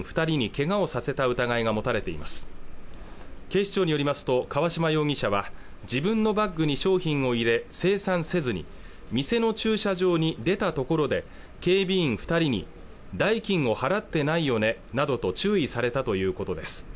警視庁によりますと川嶋容疑者は自分のバッグに商品を入れ精算せずに店の駐車場に出たところで警備員二人に代金を払ってないよねなどと注意されたということです